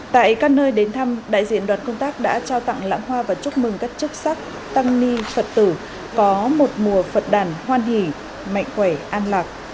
tại các nơi đến thăm đại diện đoàn công tác đã trao tặng lãng hoa và chúc mừng các chức sắc tăng ni phật tử có một mùa phật đàn hoan hỷ mạnh khỏe an lạc